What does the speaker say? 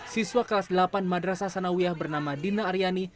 siswa kelas delapan madrasah sanawiah bernama dina aryani